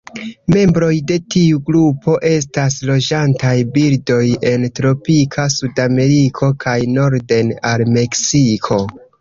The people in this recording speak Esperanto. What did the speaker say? Membroj de tiu grupo estas loĝantaj birdoj en tropika Sudameriko kaj norden al Meksiko.